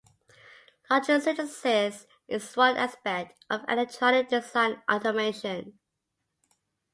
Logic synthesis is one aspect of electronic design automation.